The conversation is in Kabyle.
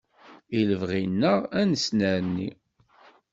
I lebɣi-nneɣ ad nessnerni.